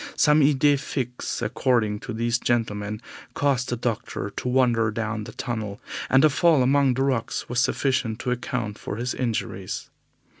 Some idee fixe, according to these gentlemen, caused the doctor to wander down the tunnel, and a fall among the rocks was sufficient to account for his injuries.